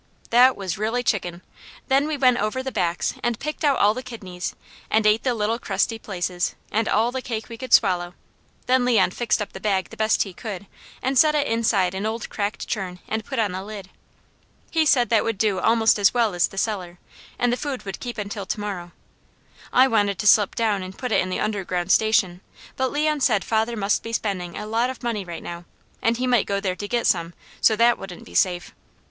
That was really chicken! Then we went over the backs and picked out all the kidneys, and ate the little crusty places, and all the cake we could swallow; then Leon fixed up the bag the best he could, and set it inside an old cracked churn and put on the lid. He said that would do almost as well as the cellar, and the food would keep until to morrow. I wanted to slip down and put it in the Underground Station; but Leon said father must be spending a lot of money right now, and he might go there to get some, so that wouldn't be safe.